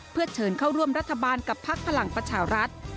เพื่อเชิญเข้าร่วมรัฐบาลกับพักพลังประชารัฐ